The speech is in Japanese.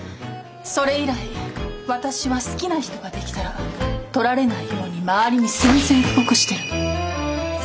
それ以来私は好きな人ができたら取れられないように周りに宣戦布告してるの。